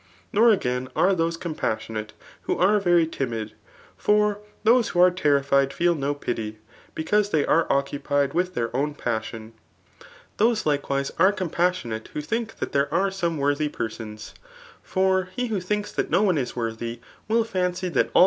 Nor again^ are tliose compassionate who are very timid ; for those who are terrified feel no i»ty, betause they are occupied irith their own pasdon. Those likewise are cdm{MassbAate i0i4io CHAP* X. RKBTORIC^ ISS thiDk ifaat there are some wordiy persons ; for he who thinks that no one is worthy will fancy that all